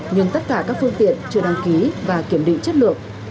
nhưng tất cả các phương tiện chưa đăng ký và kiểm định chất lượng